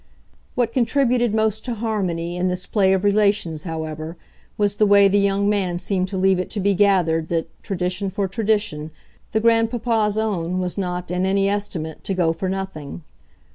What contributed most to harmony in this play of relations, however, was the way the young man seemed to leave it to be gathered that, tradition for tradition, the grandpapa's own was not, in any estimate, to go for nothing.